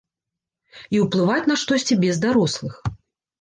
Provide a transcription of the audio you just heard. І ўплываць на штосьці без дарослых.